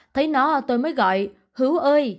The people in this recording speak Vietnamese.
thấy nó tôi mới gọi hữu ơi